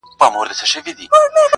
خمیر دي جوړ دی له شواخونه -